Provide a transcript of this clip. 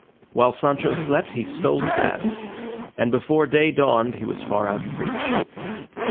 While Sancho slept he stole his ass, and before day dawned he was far out of reach.